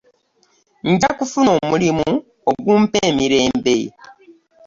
nja kufuna omulimu ogumpa emirembe.